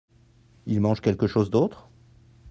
Ils mangent quelque chose d'autre ?